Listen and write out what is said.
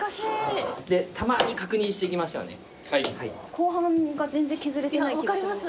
後半が全然削れてない気がします。